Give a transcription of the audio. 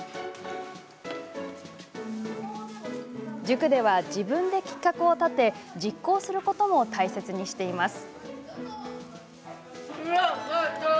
塾では自分で企画を立て実行することも大切にしています。